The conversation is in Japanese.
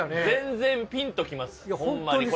全然ピンときますホンマ